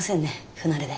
不慣れで。